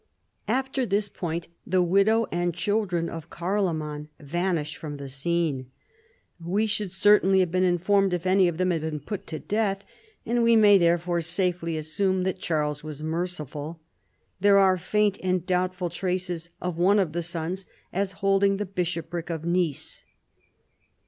After this point the widow and children of Carloman vanish from the scone. We should certainly have been informed if any of them had been put to death, and we may therefore safely assume that Charles was merciful. There are faint and doubtful traces of one of the sons as holding the bishopric of Nice.